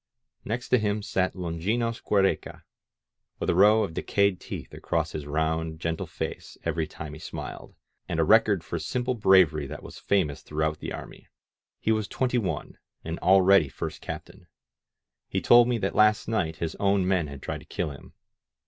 Next to him sat Longinos Giiereca, with a row of decayed teeth across his round, gentle face every time he smiled, and a record for sim ple bravery that was famous throughout the army. He was twenty one, and already First Captain. He told me that last night his own men had tried to kill him.